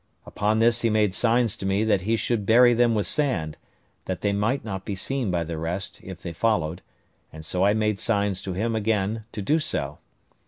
Upon this he made signs to me that he should bury them with sand, that they might not be seen by the rest, if they followed; and so I made signs to him again to do so.